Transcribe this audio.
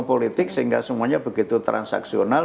politik sehingga semuanya begitu transaksional